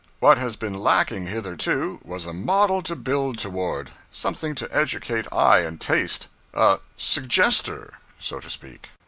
What has been lacking hitherto, was a model to build toward; something to educate eye and taste; a suggester, so to speak.